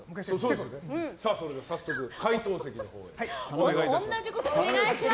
早速、解答席のほうへお願いします。